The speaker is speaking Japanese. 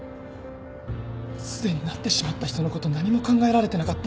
すでになってしまった人のこと何も考えられてなかった。